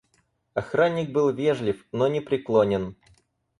Охранник был вежлив, но непреклонен.